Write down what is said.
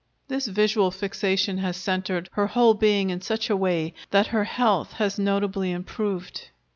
This visual fixation has centred her whole being in such a way that her health has notably improved.